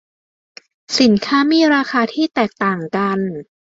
สินค้ามีราคาที่แตกต่างกัน